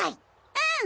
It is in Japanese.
うん！